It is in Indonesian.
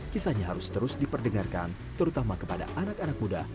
kisahnya harus terus diperdengarkan terutama kepada anak anak muda